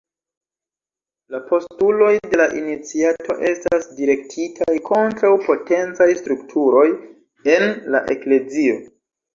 La postuloj de la iniciato estas direktitaj kontraŭ potencaj strukturoj en la eklezio.